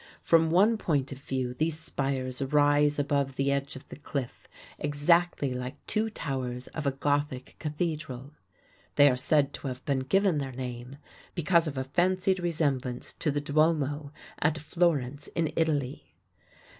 From one point of view these spires rise above the edge of the cliff exactly like two towers of a Gothic cathedral. They are said to have been given their name because of a fancied resemblance to the Duomo at Florence, in Italy.